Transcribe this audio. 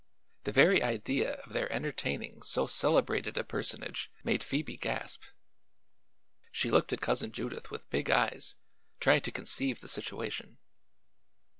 The very idea of their entertaining so celebrated a personage made Phoebe gasp. She looked at Cousin Judith with big eyes, trying to conceive the situation.